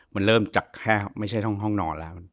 มันเริ่มจากแค่ไม่ใช่ห้องนอนแล้ว